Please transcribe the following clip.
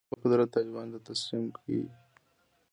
حکومت خپل قدرت طالبانو ته تسلیم کړي.